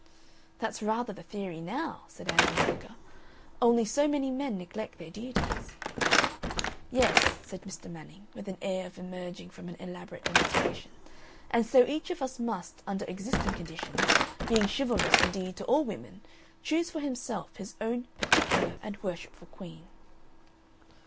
"That's rather the theory now," said Ann Veronica. "Only so many men neglect their duties." "Yes," said Mr. Manning, with an air of emerging from an elaborate demonstration, "and so each of us must, under existing conditions, being chivalrous indeed to all women, choose for himself his own particular and worshipful queen."